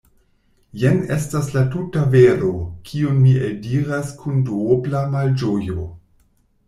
Jen estas la tuta vero, kiun mi eldiras kun duobla malĝojo.